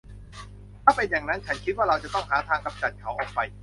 ถ้าเป็นอย่างงั้น ฉันคิดว่าเราจะต้องหาทางกำจัดเขาออกไป